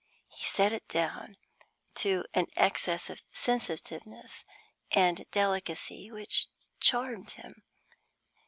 He set it down to an excess of sensitiveness and delicacy which charmed him.